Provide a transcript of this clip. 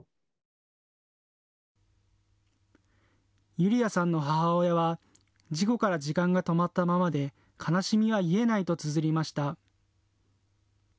ゆり愛さんの母親は事故から時間が止まったままで悲しみは癒えないとつづりました。